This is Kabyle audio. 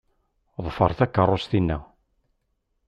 Ḍfer takeṛṛust-inna.